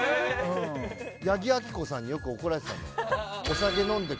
八木亜希子さんによく怒られてたんだ。